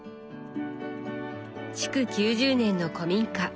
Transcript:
築９０年の古民家。